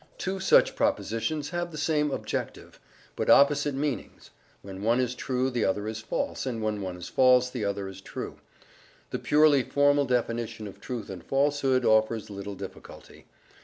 Two such propositions have the same objective, but opposite meanings: when one is true, the other is false, and when one is false, the other is true. The purely formal definition of truth and falsehood offers little difficulty.